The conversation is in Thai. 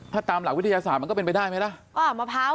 ถ้าตามหลักวิทยาศาสตร์มันก็เป็นไปได้ไหมล่ะ